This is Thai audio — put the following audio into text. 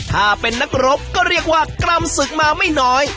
ถ้าเป็นนักรบก็เรียกว่ากรรมศึกมาไม่น้อย